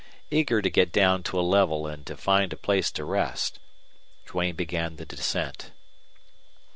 Eager to get down to a level and to find a place to rest, Duane began the descent.